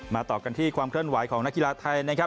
ต่อกันที่ความเคลื่อนไหวของนักกีฬาไทยนะครับ